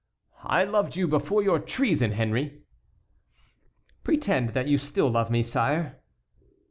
"I loved you before your treason, Henry." "Pretend that you still love me, sire."